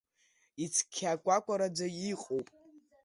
Ицқьакәакәараӡа иҟоуп.